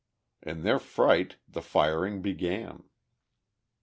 In their fright the firing began.